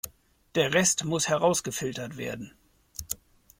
Der Rest muss herausgefiltert werden.